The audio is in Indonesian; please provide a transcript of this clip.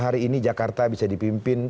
hari ini jakarta bisa dipimpin